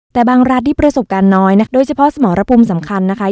แต่บางรัฐที่ประสบการณ์น้อยนะคะโดยเฉพาะสมรภูมิสำคัญนะคะ